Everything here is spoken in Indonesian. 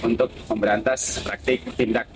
untuk memberantas praktik tindak mkn